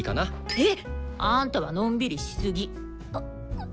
えっ！あんたはのんびりしすぎ。